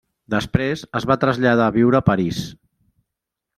Després es va traslladar a viure a París.